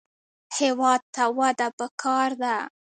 هېواد ته وده پکار ده